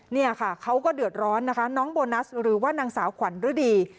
เนี่ยค่ะเขาก็เดือดร้อนนะคะน้องโบนัสหรือว่านางสาวขวัญฤดี